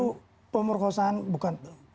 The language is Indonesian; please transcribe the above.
itu pemerkosaan bukan